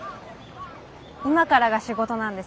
今からが仕事なんです。